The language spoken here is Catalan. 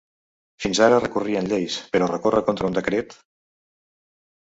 Fins ara recorrien lleis, però recórrer contra un decret?